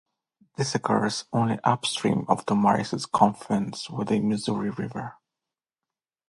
This occurs only upstream of the Marias' confluence with the Missouri River.